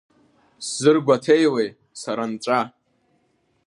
Сзыргәаҭеиуеи, сара нҵәа?!